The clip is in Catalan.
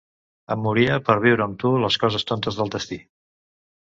Em moria per viure amb tu les coses tontes del destí.